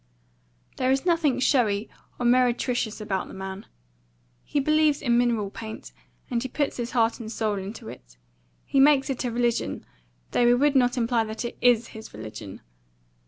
There is nothing showy or meretricious about the man. He believes in mineral paint, and he puts his heart and soul into it. He makes it a religion; though we would not imply that it IS his religion.